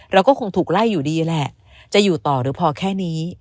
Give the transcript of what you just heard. เราก็คงถูกไล่อยู่ดีแหละจะอยู่ต่อหรือพอแค่นี้